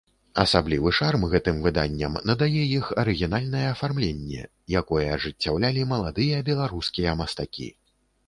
Асаблівы шарм гэтым выданням надае іх арыгінальнае афармленне, якое ажыццяўлялі маладыя беларускія мастакі.